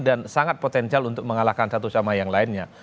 dan sangat potensial untuk mengalahkan satu sama yang lainnya